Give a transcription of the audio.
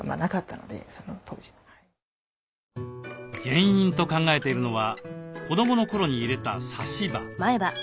原因と考えているのは子どもの頃に入れた差し歯。